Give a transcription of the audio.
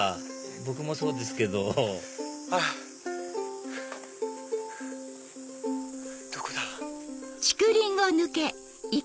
僕もそうですけどどこだ？